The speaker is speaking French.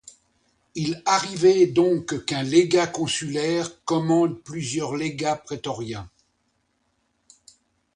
Il arrivait donc qu'un légat consulaire commande plusieurs légats prétoriens.